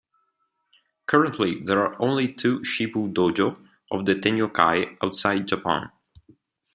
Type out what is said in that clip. Currently there are only two shibu dojo of the Tenyokai outside Japan.